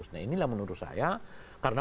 nah inilah menurut saya karena